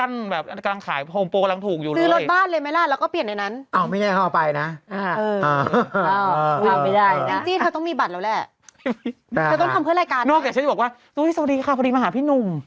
นอกจากจะบอกว่าู้ยสวัสดีค่ะพอดีมาหาพี่หนุ่ม